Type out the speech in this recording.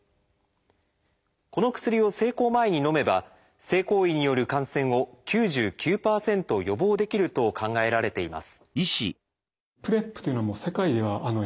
この薬を性交前にのめば性行為による感染を９９％予防できると考えられています。